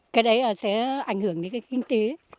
cái đấy sẽ ảnh hưởng đến cái kinh tế